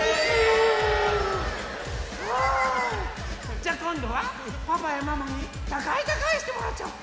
じゃあこんどはパパやママにたかいたかいしてもらっちゃおう！